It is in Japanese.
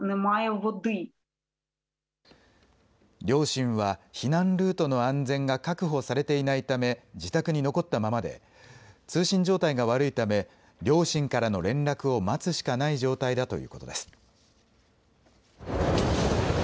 両親は避難ルートの安全が確保されていないため自宅に残ったままで通信状態が悪いため両親からの連絡を待つしかない状態だということです。